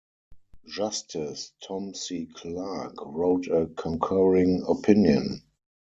Justice Tom C. Clark wrote a concurring opinion.